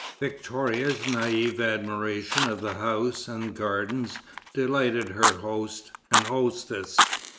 Victoria's naïve admiration of the house and gardens delighted her host and hostess.